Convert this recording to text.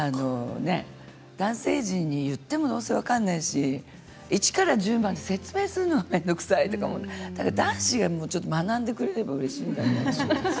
男性陣に言ってもどうせ分からないし一から１０まで説明するのは面倒くさいだから男子が学んでくれればうれしいのね。